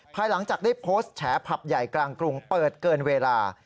ภายหลังจากได้โพสต์แฉผับใหญ่กลางกรุงเปิดเกินเวลา